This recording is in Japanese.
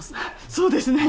そうですね。